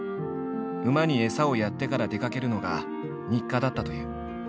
馬に餌をやってから出かけるのが日課だったという。